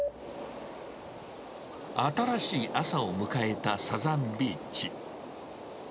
新しい朝を迎えたサザンビーチ。